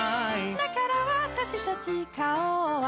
「だから私たち花王は」